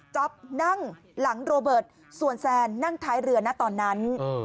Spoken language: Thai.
นั่งหลังโรเบิร์ตส่วนแซนนั่งท้ายเรือนะตอนนั้น